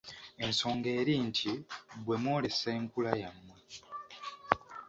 Ensonga eri nti bwe mwolesa enkula yammwe.